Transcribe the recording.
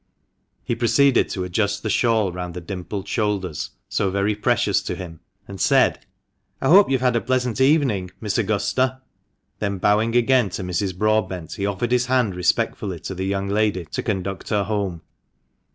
He proceeded to adjust the shawl round the dimpled shoulders so very precious to him, and said — "I hope you have had a pleasant evening, Miss Augusta." Then bowing again to Mrs. Broadbent, he offered his hand respectfully to the young lady to conduct her home.